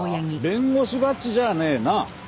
弁護士バッジじゃねえな？